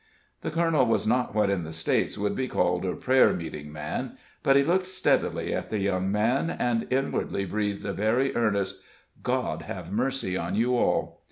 The colonel was not what in the States would be called a prayer meeting man, but he looked steadily at the young man, and inwardly breathed a very earnest "God have mercy on you all."